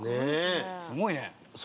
すごいね。